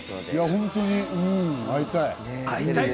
本当に会いたい！